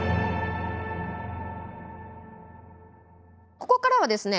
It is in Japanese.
ここからはですね